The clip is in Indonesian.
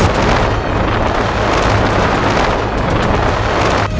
dan menangkan mereka